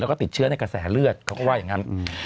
แล้วก็ติดเชื้อในกระแสเลือดเขาก็ว่าอย่างนั้น